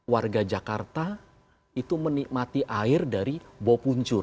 warga jakarta itu menikmati air dari bopuncur